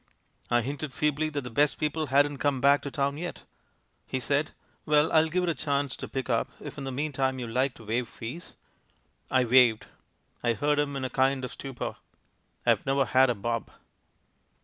"I hinted feebly that the best people hadn't come back to town yet. "He said, 'Well, I'll give it a chance to pick up if in the meantime you like to waive fees.' "I waived! I heard him in a kind of stupor. ... I've never had a bob